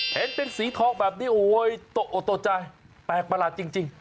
เห็นเป็นสีทองแบบนี้โอ้ยตกใจแปลกประหลาดจริง